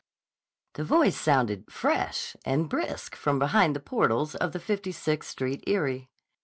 THE voice sounded, fresh and brisk from behind the portals of the Fifty Sixth Street eyrie.